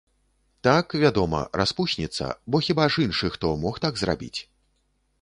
Так, вядома, распусніца, бо хіба ж іншы хто мог так зрабіць?